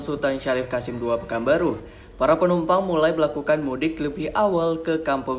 sultan syarif kasim dua pekanbaru para penumpang mulai melakukan mudik lebih awal ke kampung